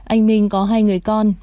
anh minh có hai người con